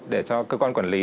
để cho cơ quan quản lý